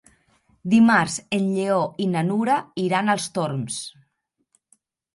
Dimarts en Lleó i na Nura iran als Torms.